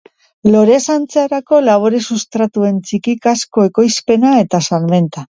Lorezaintzarako labore-substratuen txikizkako ekoizpena eta salmenta.